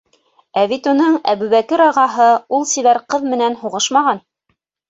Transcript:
Ә бит уның Әбүбәкер ағаһы ул сибәр ҡыҙ менән һуғышмаған!